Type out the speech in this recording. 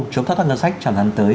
chống thất thoát ngân sách